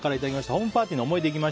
ホームパーティーの思い出。